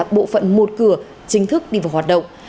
bộ phận một cửa chính thức đi vào hoạt động